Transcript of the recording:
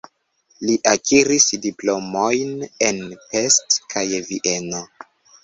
Li akiris diplomojn en Pest kaj Vieno.